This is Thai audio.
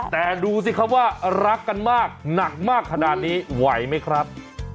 แต่ดูสิครับว่ารักกันมากหนักมากขนาดนี้ไหวไหมครับ